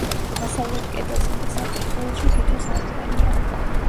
დასავლეთ კედელსა და საკურთხეველში თითო სარკმელია.